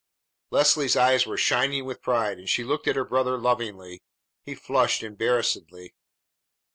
Leslie's eyes were shining with pride, and she looked at her brother lovingly. He flushed embarrassedly.